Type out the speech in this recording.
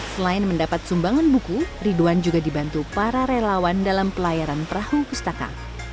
selain mendapat sumbangan buku ridwan juga dibantu para relawan dalam pelayaran perahu pustaka